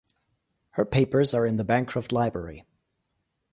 Her papers are in the Bancroft Library.